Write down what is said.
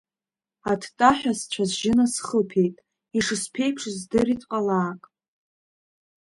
Аттаҳәа сцәа-сжьы насхыԥеит, ишысԥеиԥшыз здырит ҟалаак…